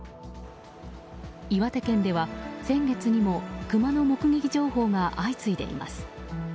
岩手県では、先月にもクマの目撃情報が相次いでいます。